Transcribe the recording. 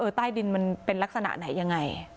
ใต้ดินมันเป็นลักษณะไหนยังไง